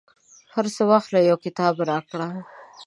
هرڅه واخله، یو کتاب راکړه